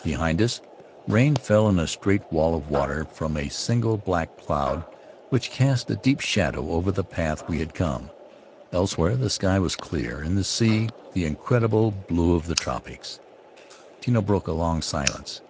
Behind us, rain fell in a straight wall of water from a single black cloud whick cast a deep shadow over the path we had come. Else where the sky was clear and the sea the incredible blue of the tropics. Tino broke a long silence.